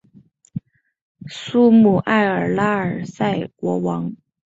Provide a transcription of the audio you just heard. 苏穆埃尔拉尔萨国王。